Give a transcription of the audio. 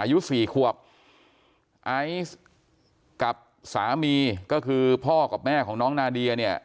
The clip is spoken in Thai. อายุสี่ขวบไอซ์กับสามีก็คือพ่อกับแม่ของน้องนาเดียเนี่ย